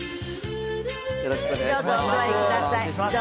よろしくお願いします。